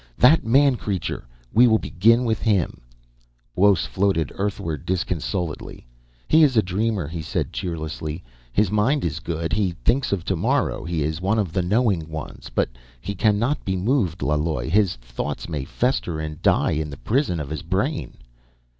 That man creature, we will begin with him ..." Buos floated earthward disconsolately. "He is a dreamer," he said cheerlessly. "His mind is good; he thinks of tomorrow; he is one of the knowing ones. But he cannot be moved, Laloi. His thoughts may fester and die in the prison of his brain